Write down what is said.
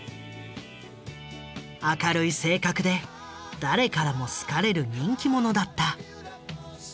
明るい性格で誰からも好かれる人気者だった。